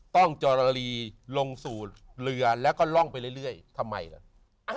จรลีลงสู่เรือแล้วก็ล่องไปเรื่อยทำไมล่ะ